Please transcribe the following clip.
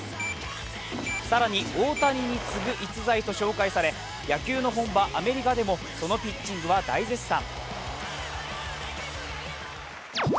更に大谷に次ぐ逸材と紹介され、野球の本場・アメリカでもそのピッチングは大絶賛。